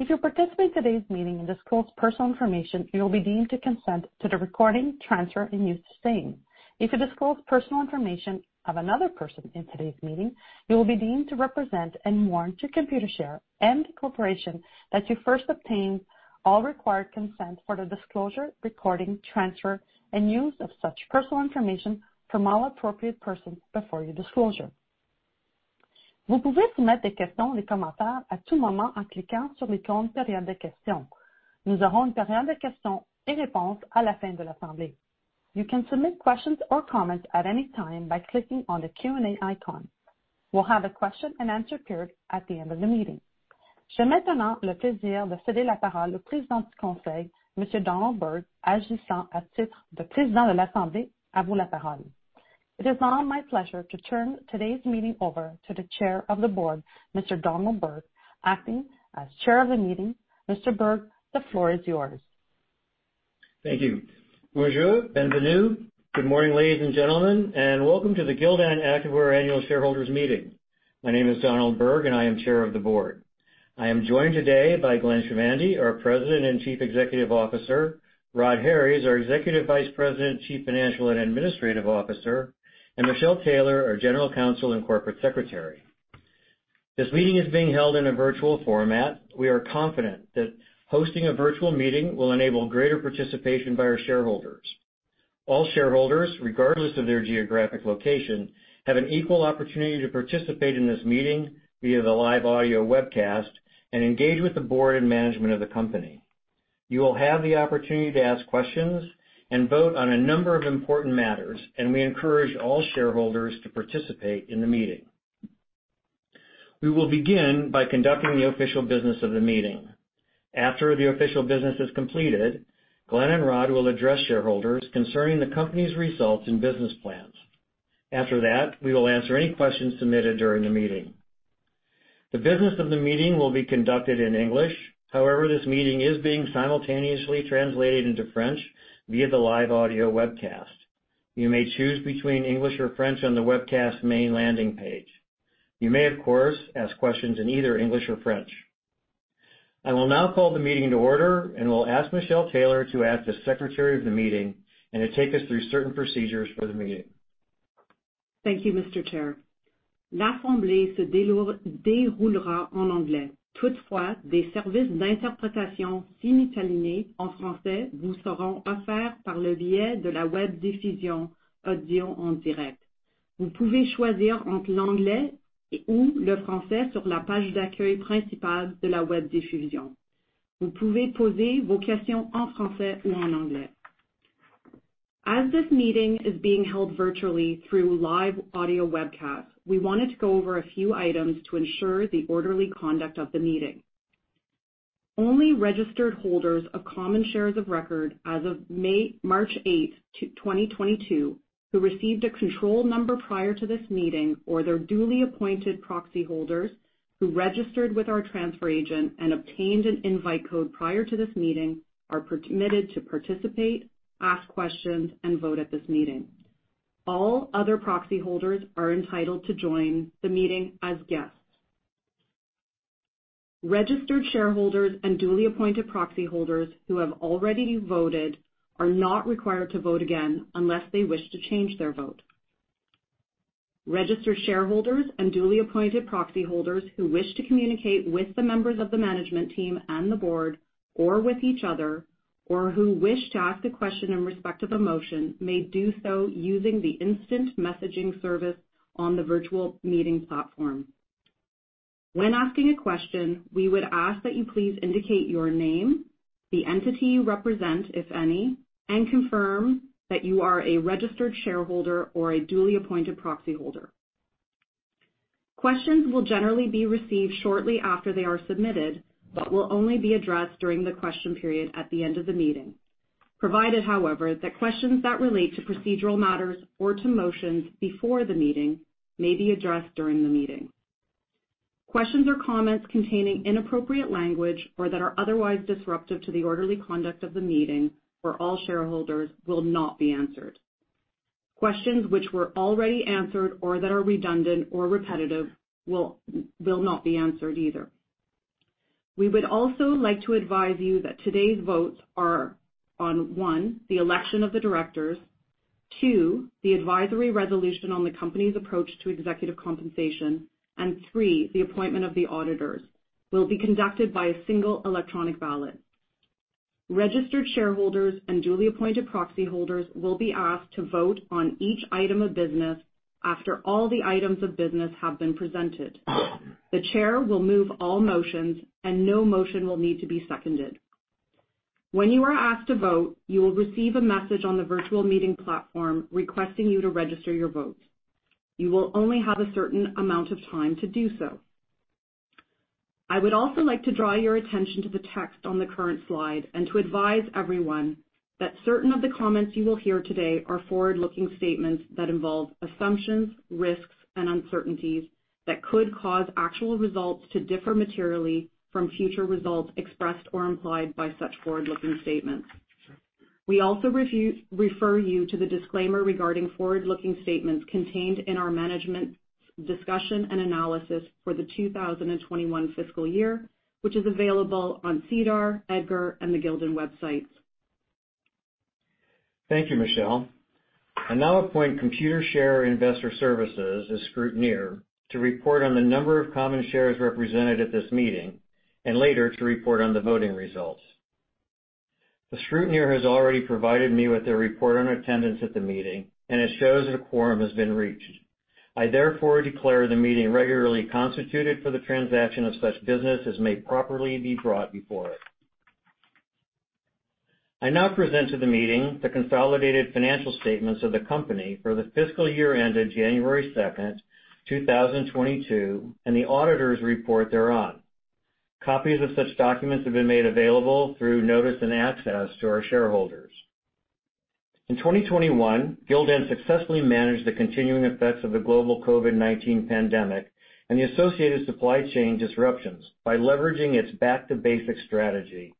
If you participate in today's meeting and disclose personal information, you will be deemed to consent to the recording, transfer, and use of same. If you disclose personal information of another person in today's meeting, you will be deemed to represent and warrant to Computershare and the corporation that you first obtained all required consent for the disclosure, recording, transfer, and use of such personal information from all appropriate persons before your disclosure. You can submit questions or comments at any time by clicking on the Q&A icon. We'll have a question-and-answer period at the end of the meeting. It is now my pleasure to turn today's meeting over to the Chair of the Board, Mr. Donald Berg. Acting as Chair of the meeting. Mr. Berg, the floor is yours. Thank you. Good morning, ladies and gentlemen, and welcome to the Gildan Activewear annual shareholders meeting. My name is Donald Berg, and I am Chair of the Board. I am joined today by Glenn Chamandy, our President and Chief Executive Officer, Rod Harries, our Executive Vice President, Chief Financial and Administrative Officer, and Michelle Taylor, our General Counsel and Corporate Secretary. This meeting is being held in a virtual format. We are confident that hosting a virtual meeting will enable greater participation by our shareholders. All shareholders, regardless of their geographic location, have an equal opportunity to participate in this meeting via the live audio webcast and engage with the board and management of the company. You will have the opportunity to ask questions and vote on a number of important matters, and we encourage all shareholders to participate in the meeting. We will begin by conducting the official business of the meeting. After the official business is completed, Glenn and Rod will address shareholders concerning the company's results and business plans. After that, we will answer any questions submitted during the meeting. The business of the meeting will be conducted in English. However, this meeting is being simultaneously translated into French via the live audio webcast. You may choose between English or French on the webcast main landing page. You may, of course, ask questions in either English or French. I will now call the meeting to order, and will ask Michelle Taylor to act as secretary of the meeting and to take us through certain procedures for the meeting. Thank you, Mr. Chair. As this meeting is being held virtually through live audio webcast, we wanted to go over a few items to ensure the orderly conduct of the meeting. Only registered holders of common shares of record as of March 8, 2022 who received a control number prior to this meeting, or their duly appointed proxy holders who registered with our transfer agent and obtained an invite code prior to this meeting, are permitted to participate, ask questions, and vote at this meeting. All other proxy holders are entitled to join the meeting as guests. Registered shareholders and duly appointed proxy holders who have already voted are not required to vote again unless they wish to change their vote. Registered shareholders and duly appointed proxy holders who wish to communicate with the members of the management team and the board or with each other or who wish to ask a question in respect of a motion may do so using the instant messaging service on the virtual meeting platform. When asking a question, we would ask that you please indicate your name, the entity you represent, if any, and confirm that you are a registered shareholder or a duly appointed proxy holder. Questions will generally be received shortly after they are submitted, but will only be addressed during the question period at the end of the meeting. Provided, however, that questions that relate to procedural matters or to motions before the meeting may be addressed during the meeting. Questions or comments containing inappropriate language or that are otherwise disruptive to the orderly conduct of the meeting for all shareholders will not be answered. Questions which were already answered or that are redundant or repetitive will not be answered either. We would also like to advise you that today's votes are on, one, the election of the directors, two, the advisory resolution on the company's approach to executive compensation, and three, the appointment of the auditors, will be conducted by a single electronic ballot. Registered shareholders and duly appointed proxy holders will be asked to vote on each item of business after all the items of business have been presented. The chair will move all motions, and no motion will need to be seconded. When you are asked to vote, you will receive a message on the virtual meeting platform requesting you to register your vote. You will only have a certain amount of time to do so. I would also like to draw your attention to the text on the current slide and to advise everyone that certain of the comments you will hear today are forward-looking statements that involve assumptions, risks, and uncertainties that could cause actual results to differ materially from future results expressed or implied by such forward-looking statements. We also refer you to the disclaimer regarding forward-looking statements contained in our management discussion and analysis for the 2021 fiscal year, which is available on SEDAR, EDGAR, and the Gildan websites. Thank you, Michelle. I now appoint Computershare Investor Services as scrutineer to report on the number of common shares represented at this meeting and later to report on the voting results. The scrutineer has already provided me with their report on attendance at the meeting, and it shows a quorum has been reached. I therefore declare the meeting regularly constituted for the transaction of such business as may properly be brought before it. I now present to the meeting the consolidated financial statements of the company for the fiscal year ended January second, two thousand twenty-two, and the auditor's report thereon. Copies of such documents have been made available through notice and access to our shareholders. In 2021, Gildan successfully managed the continuing effects of the global COVID-19 pandemic and the associated supply chain disruptions by leveraging its back to basics strategy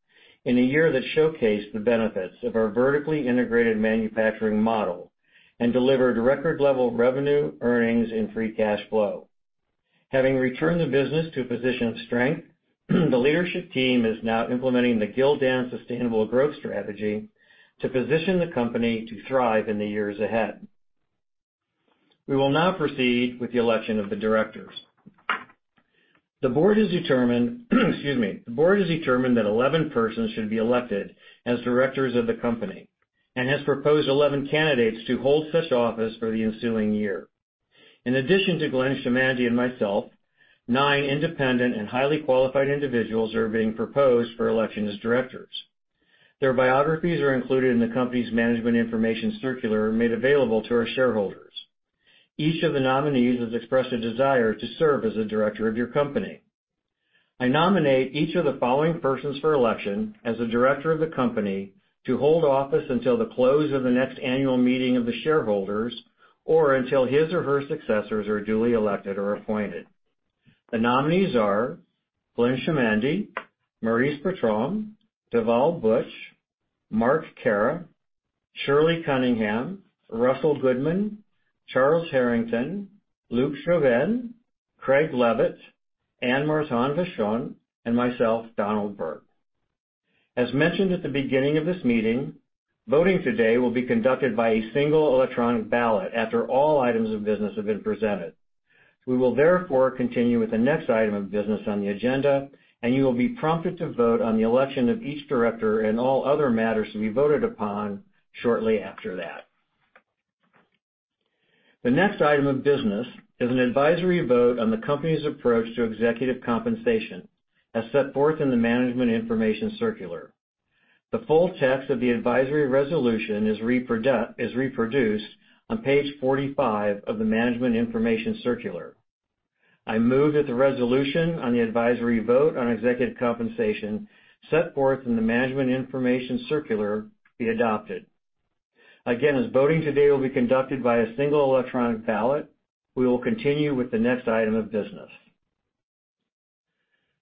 in a year that showcased the benefits of our vertically integrated manufacturing model and delivered record level of revenue, earnings, and free cash flow. Having returned the business to a position of strength, the leadership team is now implementing the Gildan sustainable growth strategy to position the company to thrive in the years ahead. We will now proceed with the election of the directors. The board has determined that 11 persons should be elected as directors of the company and has proposed 11 candidates to hold such office for the ensuing year. In addition to Glenn Chamandy and myself, nine independent and highly qualified individuals are being proposed for election as directors. Their biographies are included in the company's management information circular made available to our shareholders. Each of the nominees has expressed a desire to serve as a director of your company. I nominate each of the following persons for election as a director of the company to hold office until the close of the next annual meeting of the shareholders, or until his or her successors are duly elected or appointed. The nominees are Glenn Chamandy, Maryse Bertrand, Dhaval Buch, Marc Caira, Shirley Cunningham, Russell Goodman, Charles M. Herington, Luc Jobin, Craig A. Leavitt, Anne Martin-Vachon, and myself, Donald C. Berg. As mentioned at the beginning of this meeting, voting today will be conducted by a single electronic ballot after all items of business have been presented. We will therefore continue with the next item of business on the agenda, and you will be prompted to vote on the election of each director and all other matters to be voted upon shortly after that. The next item of business is an advisory vote on the company's approach to executive compensation as set forth in the management information circular. The full text of the advisory resolution is reproduced on page 45 of the management information circular. I move that the resolution on the advisory vote on executive compensation set forth in the management information circular be adopted. Again, as voting today will be conducted by a single electronic ballot, we will continue with the next item of business.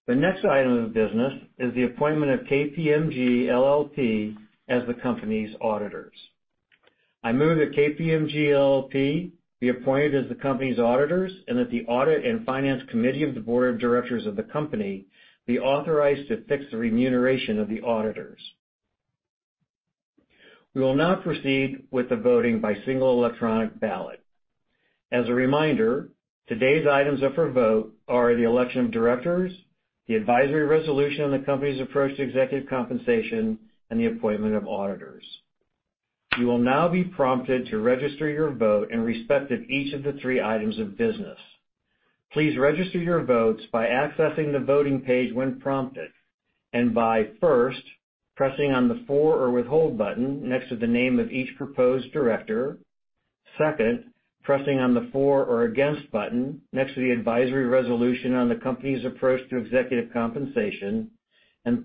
The next item of business is the appointment of KPMG LLP as the company's auditors. I move that KPMG LLP be appointed as the company's auditors and that the audit and finance committee of the board of directors of the company be authorized to fix the remuneration of the auditors. We will now proceed with the voting by single electronic ballot. As a reminder, today's items up for vote are the election of directors, the advisory resolution on the company's approach to executive compensation, and the appointment of auditors. You will now be prompted to register your vote in respect of each of the three items of business. Please register your votes by accessing the voting page when prompted and by first pressing on the for or withhold button next to the name of each proposed director. Second, pressing on the for or against button next to the advisory resolution on the company's approach to executive compensation.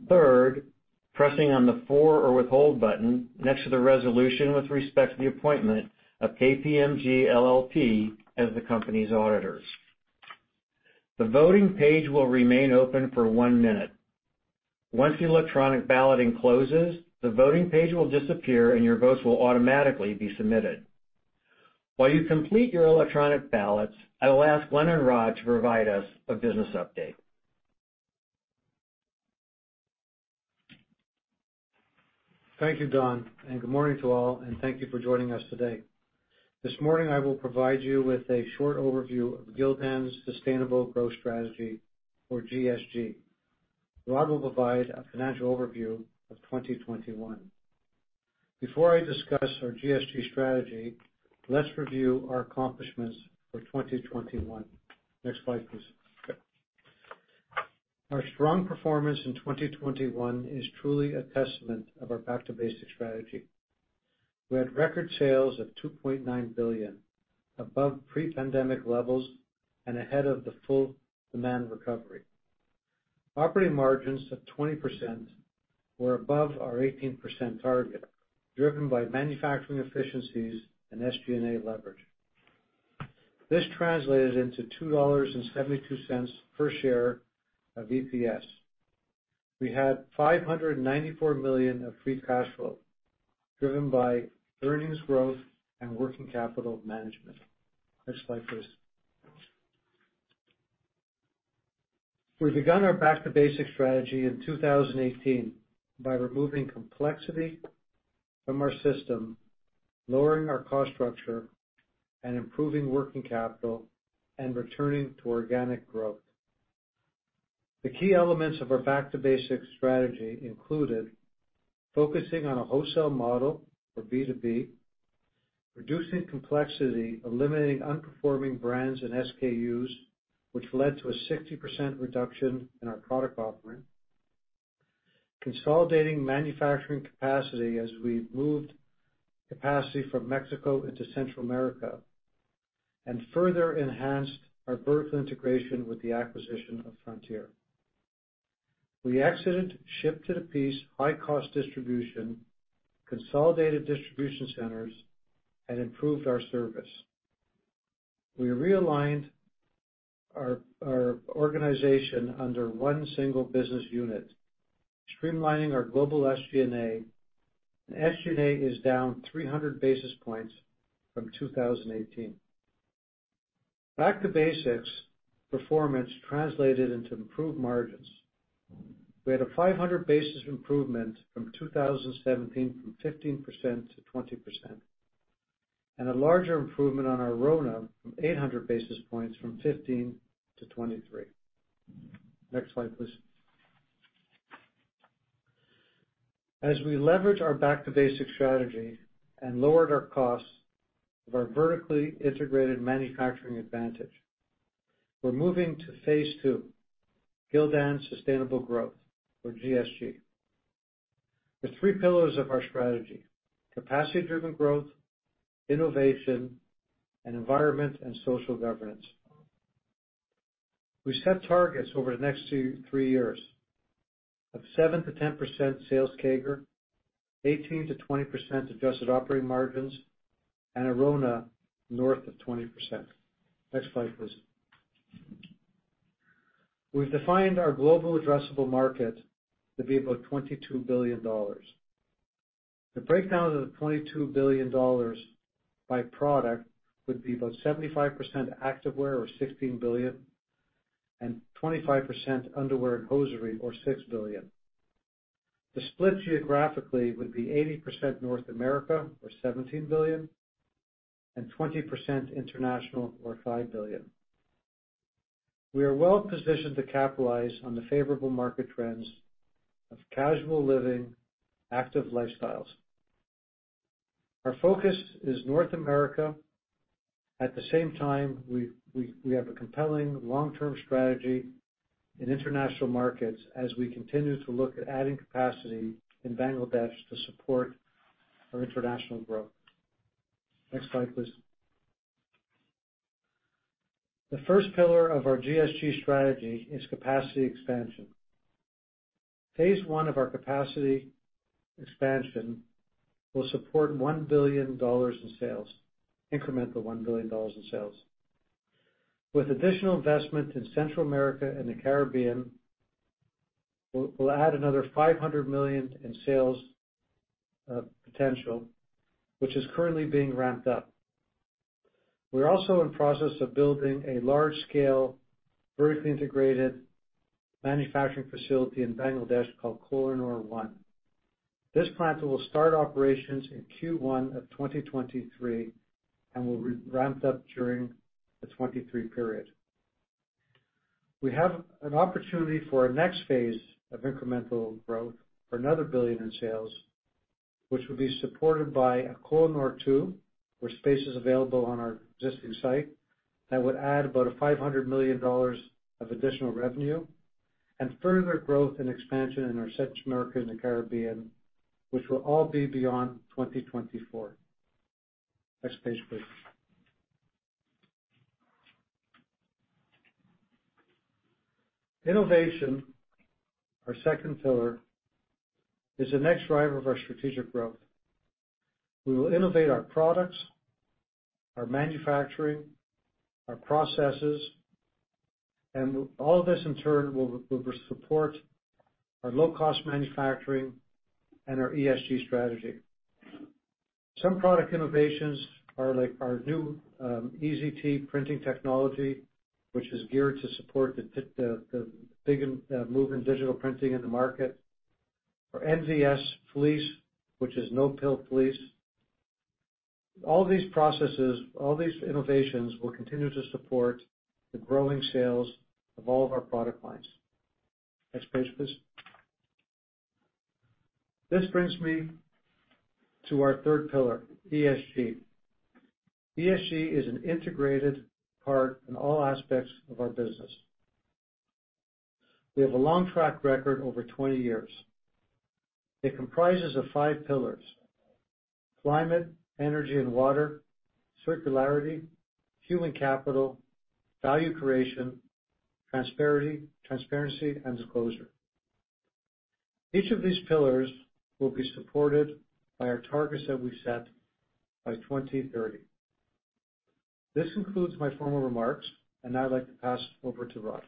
Third, pressing on the For or Withhold button next to the resolution with respect to the appointment of KPMG LLP as the company's auditors. The voting page will remain open for one minute. Once the electronic balloting closes, the voting page will disappear, and your votes will automatically be submitted. While you complete your electronic ballots, I will ask Glenn and Rod to provide us a business update. Thank you, Don, and good morning to all, and thank you for joining us today. This morning, I will provide you with a short overview of Gildan's sustainable growth strategy for GSG. Rod will provide a financial overview of 2021. Before I discuss our GSG strategy, let's review our accomplishments for 2021. Next slide, please. Okay. Our strong performance in 2021 is truly a testament of our back to basic strategy. We had record sales of $2.9 billion, above pre-pandemic levels and ahead of the full demand recovery. Operating margins of 20% were above our 18% target, driven by manufacturing efficiencies and SG&A leverage. This translated into $2.72 per share of EPS. We had $594 million of free cash flow driven by earnings growth and working capital management. Next slide, please. We begun our back to basics strategy in 2018 by removing complexity from our system, lowering our cost structure and improving working capital, and returning to organic growth. The key elements of our back to basic strategy included focusing on a wholesale model for B2B, reducing complexity, eliminating underperforming brands and SKUs, which led to a 60% reduction in our product offering. Consolidating manufacturing capacity as we moved capacity from Mexico into Central America, and further enhanced our vertical integration with the acquisition of Frontier. We exited ship-to-the-piece high cost distribution, consolidated distribution centers, and improved our service. We realigned our organization under one single business unit, streamlining our global SG&A, and SG&A is down 300 basis points from 2018. Back to basics performance translated into improved margins. We had a 500 basis points improvement from 2017 from 15% -20%, and a larger improvement on our RONA from 800 basis points from 15% -23%. Next slide, please. As we leverage our back to basic strategy and lowered our costs of our vertically integrated manufacturing advantage, we're moving to phase two, Gildan Sustainable Growth or GSG. The three pillars of our strategy. Capacity driven growth, innovation, and environment and social governance. We set targets over the next two-three years of 7%-10% sales CAGR, 18%-20% adjusted operating margins, and a RONA north of 20%. Next slide, please. We've defined our global addressable market to be about $22 billion. The breakdown of the $22 billion by product would be about 75% activewear or $16 billion and 25% underwear and hosiery, or $6 billion. The split geographically would be 80% North America or $17 billion, and 20% international or $5 billion. We are well positioned to capitalize on the favorable market trends of casual living, active lifestyles. Our focus is North America. At the same time, we have a compelling long-term strategy in international markets as we continue to look at adding capacity in Bangladesh to support our international growth. Next slide, please. The first pillar of our GSG strategy is capacity expansion. Phase one of our capacity expansion will support $1 billion in sales, incremental $1 billion in sales. With additional investment in Central America and the Caribbean, we'll add another $500 million in sales potential, which is currently being ramped up. We're also in process of building a large scale vertically integrated manufacturing facility in Bangladesh called Kolanur One. This plant will start operations in Q1 of 2023, and will ramped up during the 2023 period. We have an opportunity for a next phase of incremental growth for another $1 billion in sales, which will be supported by a Kolanur Two, where space is available on our existing site, that would add about a $500 million of additional revenue and further growth and expansion in our Central America and the Caribbean, which will all be beyond 2024. Next page, please. Innovation, our second pillar, is the next driver of our strategic growth. We will innovate our products, our manufacturing, our processes, and all of this in turn will support our low cost manufacturing and our ESG strategy. Some product innovations are like our new EZ Print, which is geared to support the big move in digital printing in the market. Our NZS fleece, which is no-pill fleece. All these processes, all these innovations will continue to support the growing sales of all of our product lines. Next page, please. This brings me to our third pillar, ESG. ESG is an integrated part in all aspects of our business. We have a long track record over 20 years. It comprises of five pillars, climate, energy and water, circularity, human capital, value creation, transparency and disclosure. Each of these pillars will be supported by our targets that we set by 2030. This concludes my formal remarks and now I'd like to pass over to Rod.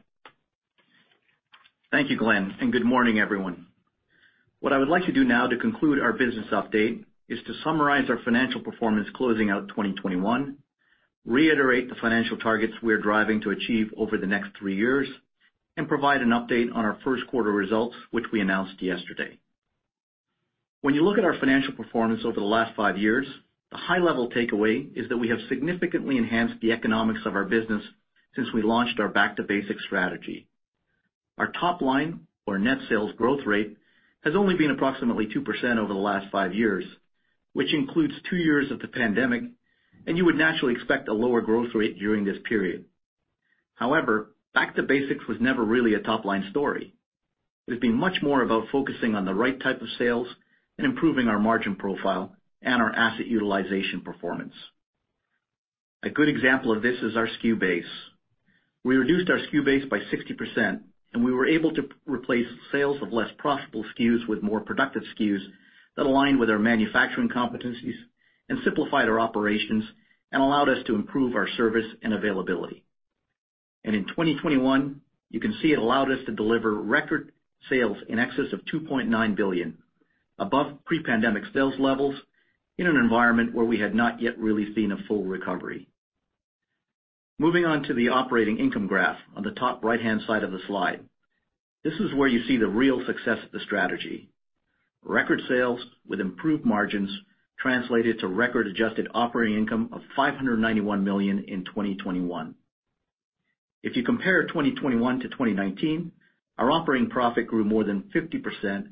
Thank you, Glenn, and good morning, everyone. What I would like to do now to conclude our business update is to summarize our financial performance closing out 2021, reiterate the financial targets we're driving to achieve over the next three years, and provide an update on our first quarter results, which we announced yesterday. When you look at our financial performance over the last five years, the high level takeaway is that we have significantly enhanced the economics of our business since we launched our back to basics strategy. Our top line or net sales growth rate has only been approximately 2% over the last five years, which includes two years of the pandemic, and you would naturally expect a lower growth rate during this period. However, back to basics was never really a top line story. It's been much more about focusing on the right type of sales and improving our margin profile and our asset utilization performance. A good example of this is our SKU base. We reduced our SKU base by 60%, and we were able to replace sales of less profitable SKUs with more productive SKUs that align with our manufacturing competencies and simplified our operations and allowed us to improve our service and availability. In 2021, you can see it allowed us to deliver record sales in excess of $2.9 billion above pre-pandemic sales levels in an environment where we had not yet really seen a full recovery. Moving on to the operating income graph on the top right-hand side of the slide. This is where you see the real success of the strategy. Record sales with improved margins translated to record adjusted operating income of $591 million in 2021. If you compare 2021 to 2019, our operating profit grew more than 50%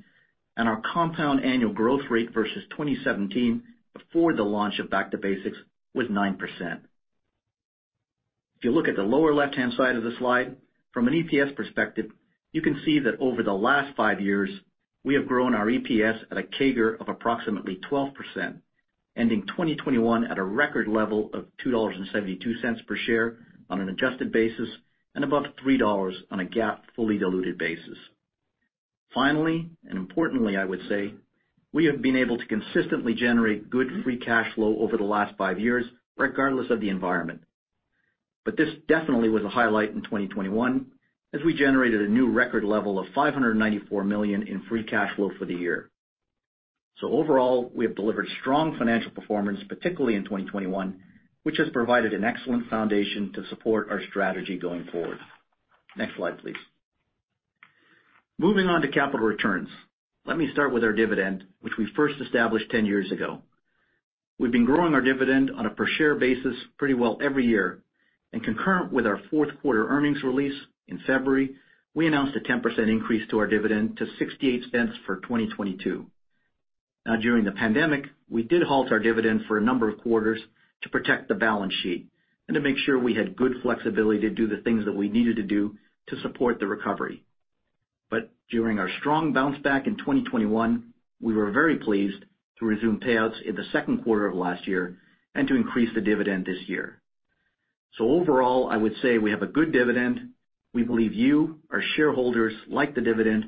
and our compound annual growth rate versus 2017 before the launch of back to basics was 9%. If you look at the lower left-hand side of the slide, from an EPS perspective, you can see that over the last five years, we have grown our EPS at a CAGR of approximately 12%, ending 2021 at a record level of $2.72 per share on an adjusted basis and above $3 on a GAAP fully diluted basis. Finally, and importantly, I would say, we have been able to consistently generate good free cash flow over the last five years, regardless of the environment. This definitely was a highlight in 2021, as we generated a new record level of $594 million in free cash flow for the year. Overall, we have delivered strong financial performance, particularly in 2021, which has provided an excellent foundation to support our strategy going forward. Next slide, please. Moving on to capital returns. Let me start with our dividend, which we first established 10 years ago. We've been growing our dividend on a per share basis pretty well every year. In conjunction with our fourth quarter earnings release in February, we announced a 10% increase to our dividend to $0.68 for 2022. Now, during the pandemic, we did halt our dividend for a number of quarters to protect the balance sheet and to make sure we had good flexibility to do the things that we needed to do to support the recovery. During our strong bounce back in 2021, we were very pleased to resume payouts in the second quarter of last year and to increase the dividend this year. Overall, I would say we have a good dividend. We believe you, our shareholders, like the dividend.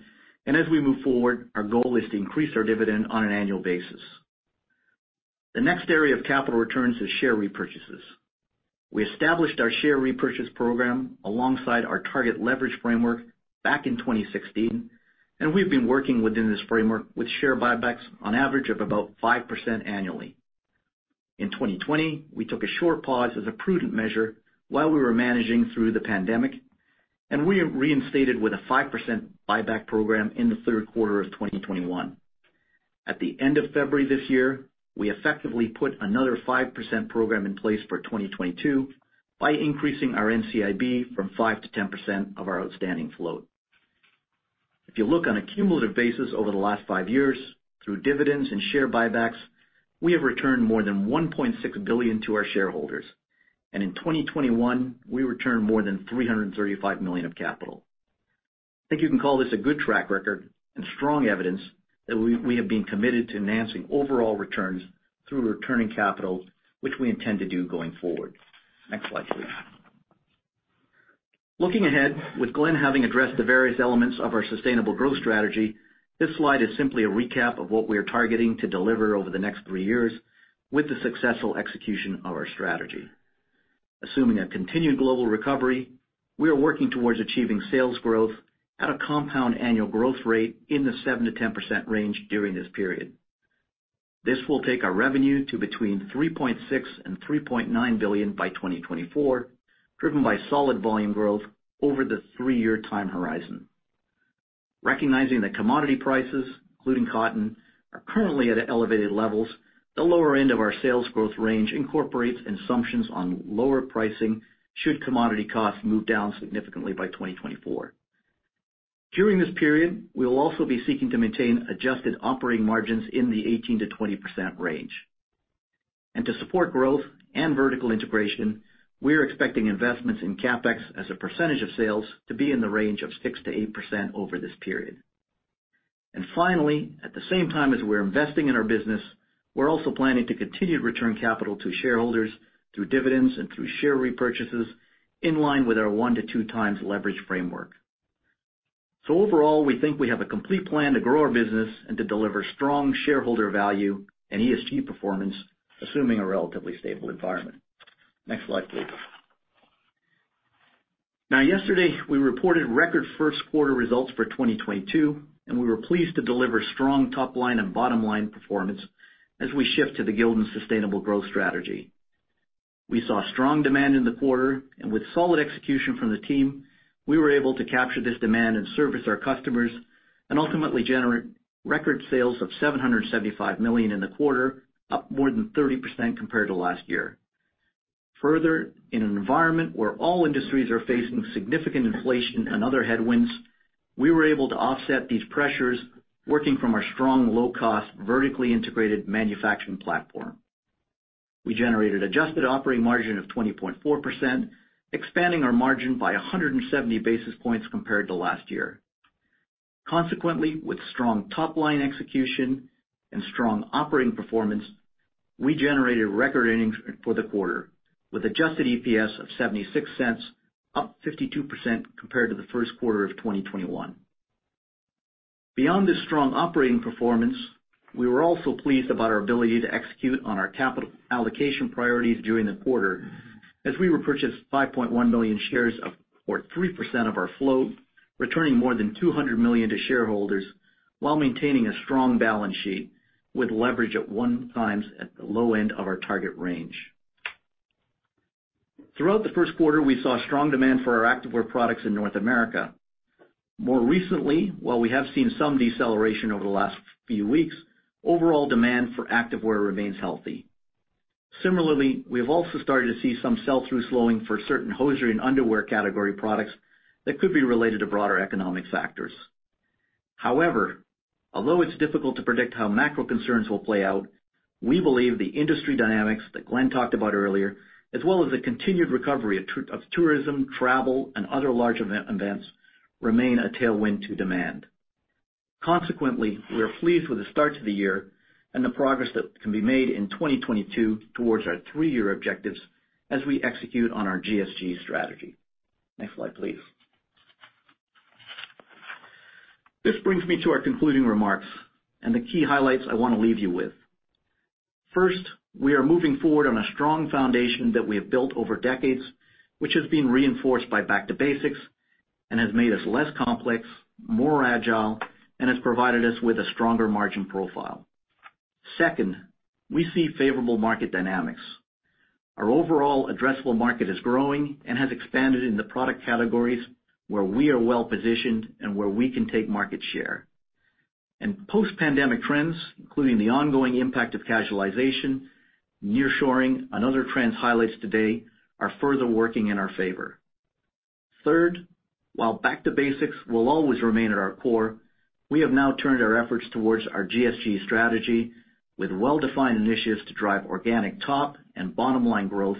As we move forward, our goal is to increase our dividend on an annual basis. The next area of capital returns is share repurchases. We established our share repurchase program alongside our target leverage framework back in 2016, and we've been working within this framework with share buybacks on average of about 5% annually. In 2020, we took a short pause as a prudent measure while we were managing through the pandemic, and we reinstated with a 5% buyback program in the third quarter of 2021. At the end of February this year, we effectively put another 5% program in place for 2022 by increasing our NCIB from 5% -10% of our outstanding float. If you look on a cumulative basis over the last five years through dividends and share buybacks, we have returned more than $1.6 billion to our shareholders. In 2021, we returned more than $335 million of capital. I think you can call this a good track record and strong evidence that we have been committed to enhancing overall returns through returning capital, which we intend to do going forward. Next slide, please. Looking ahead, with Glenn having addressed the various elements of our sustainable growth strategy, this slide is simply a recap of what we are targeting to deliver over the next three years with the successful execution of our strategy. Assuming a continued global recovery, we are working towards achieving sales growth at a compound annual growth rate in the 7%-10% range during this period. This will take our revenue to between $3.6 billion and $3.9 billion by 2024, driven by solid volume growth over the three-year time horizon. Recognizing that commodity prices, including cotton, are currently at elevated levels, the lower end of our sales growth range incorporates assumptions on lower pricing, should commodity costs move down significantly by 2024. During this period, we will also be seeking to maintain adjusted operating margins in the 18%-20% range. To support growth and vertical integration, we are expecting investments in CapEx as a percentage of sales to be in the range of 6%-8% over this period. Finally, at the same time as we're investing in our business. We're also planning to continue to return capital to shareholders through dividends and through share repurchases, in line with our one-two times leverage framework. Overall, we think we have a complete plan to grow our business and to deliver strong shareholder value and ESG performance, assuming a relatively stable environment. Next slide, please. Now, yesterday, we reported record first quarter results for 2022, and we were pleased to deliver strong top-line and bottom-line performance as we shift to the Gildan sustainable growth strategy. We saw strong demand in the quarter, and with solid execution from the team, we were able to capture this demand and service our customers and ultimately generate record sales of $775 million in the quarter, up more than 30% compared to last year. Further, in an environment where all industries are facing significant inflation and other headwinds, we were able to offset these pressures working from our strong, low-cost, vertically integrated manufacturing platform. We generated adjusted operating margin of 20.4%, expanding our margin by 170 basis points compared to last year. Consequently, with strong top-line execution and strong operating performance, we generated record earnings for the quarter with adjusted EPS of $0.76, up 52% compared to the first quarter of 2021. Beyond this strong operating performance, we were also pleased about our ability to execute on our capital allocation priorities during the quarter as we repurchased 5.1 million shares of... Three percent of our float, returning more than $200 million to shareholders while maintaining a strong balance sheet with leverage at 1x at the low end of our target range. Throughout the first quarter, we saw strong demand for our activewear products in North America. More recently, while we have seen some deceleration over the last few weeks, overall demand for activewear remains healthy. Similarly, we have also started to see some sell-through slowing for certain hosiery and underwear category products that could be related to broader economic factors. However, although it's difficult to predict how macro concerns will play out, we believe the industry dynamics that Glenn talked about earlier, as well as the continued recovery of tourism, travel, and other large events remain a tailwind to demand. Consequently, we are pleased with the start to the year and the progress that can be made in 2022 towards our three-year objectives as we execute on our GSG strategy. Next slide, please. This brings me to our concluding remarks and the key highlights I wanna leave you with. First, we are moving forward on a strong foundation that we have built over decades, which has been reinforced by back to basics and has made us less complex, more agile, and has provided us with a stronger margin profile. Second, we see favorable market dynamics. Our overall addressable market is growing and has expanded in the product categories where we are well positioned and where we can take market share. Post-pandemic trends, including the ongoing impact of casualization, nearshoring, and other trends highlighted today are further working in our favor. Third, while back to basics will always remain at our core, we have now turned our efforts towards our GSG strategy with well-defined initiatives to drive organic top and bottom line growth,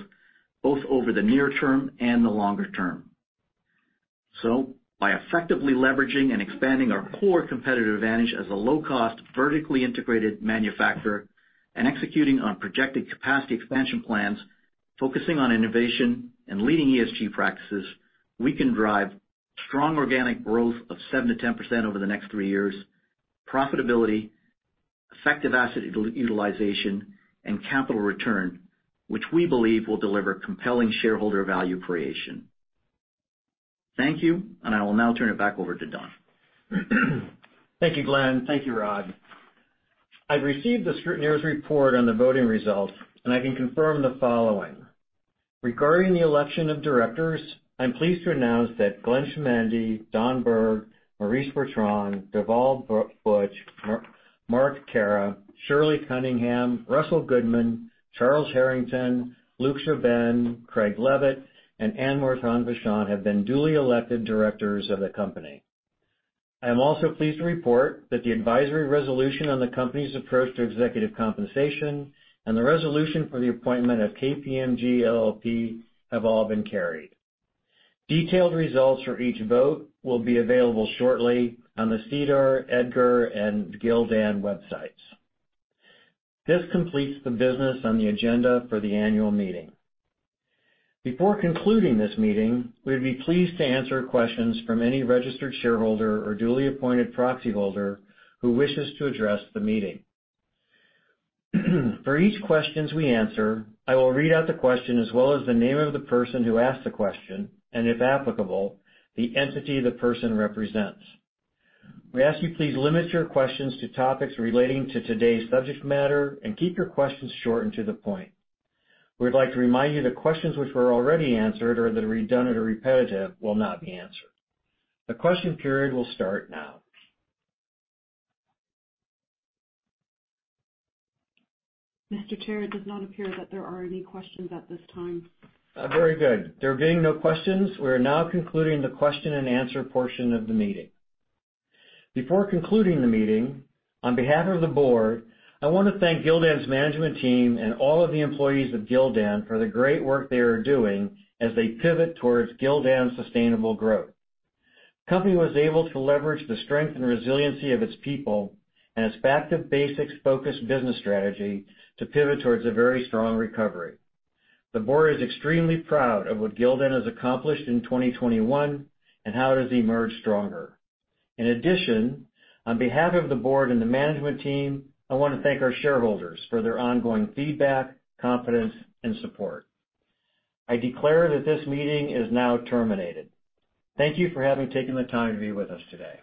both over the near term and the longer term. By effectively leveraging and expanding our core competitive advantage as a low-cost, vertically integrated manufacturer and executing on projected capacity expansion plans, focusing on innovation and leading ESG practices, we can drive strong organic growth of 7%-10% over the next three years, profitability, effective asset utilization, and capital return, which we believe will deliver compelling shareholder value creation. Thank you, and I will now turn it back over to Don. Thank you, Glenn. Thank you, Rod. I've received the scrutineer's report on the voting results, and I can confirm the following. Regarding the election of directors, I'm pleased to announce that Glenn Chamandy, Donald Berg, Maryse Bertrand, Dhaval Buch, Marc Caira, Shirley Cunningham, Russell Goodman, Charles M. Herington, Luc Jobin, Craig A. Leavitt, and Anne Martin-Vachon have been duly elected directors of the company. I am also pleased to report that the advisory resolution on the company's approach to executive compensation and the resolution for the appointment of KPMG LLP have all been carried. Detailed results for each vote will be available shortly on the SEDAR, EDGAR, and Gildan websites. This completes the business on the agenda for the annual meeting. Before concluding this meeting, we'd be pleased to answer questions from any registered shareholder or duly appointed proxyholder who wishes to address the meeting. For each questions we answer, I will read out the question as well as the name of the person who asked the question, and if applicable, the entity the person represents. We ask you please limit your questions to topics relating to today's subject matter and keep your questions short and to the point. We'd like to remind you that questions which were already answered or that are redundant or repetitive will not be answered. The question period will start now. Mr. Chair, it does not appear that there are any questions at this time. Very good. There being no questions, we are now concluding the question and answer portion of the meeting. Before concluding the meeting, on behalf of the board, I wanna thank Gildan's management team and all of the employees of Gildan for the great work they are doing as they pivot towards Gildan's sustainable growth. Company was able to leverage the strength and resiliency of its people and its back to basics focused business strategy to pivot towards a very strong recovery. The board is extremely proud of what Gildan has accomplished in 2021 and how it has emerged stronger. In addition, on behalf of the board and the management team, I wanna thank our shareholders for their ongoing feedback, confidence, and support. I declare that this meeting is now terminated. Thank you for having taken the time to be with us today.